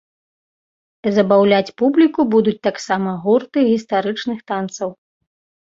Забаўляць публіку будуць таксама гурты гістарычных танцаў.